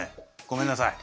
ごめんなさい。